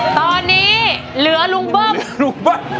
ตอนนี้เหลือลุงเบิ้บ